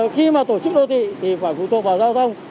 khi mà tổ chức đô thị thì phải phụ thuộc vào giao thông